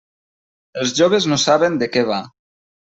Els joves no saben de què va.